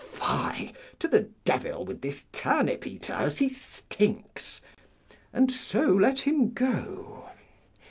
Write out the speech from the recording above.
Fie! to the devil with this turnip eater, as he stinks! and so let him go.